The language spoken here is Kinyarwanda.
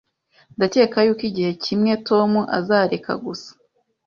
Ndakeka yuko igihe kimwe Tom azareka gusa